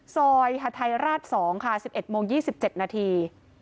ฮาไทยราช๒ค่ะ๑๑โมง๒๗นาที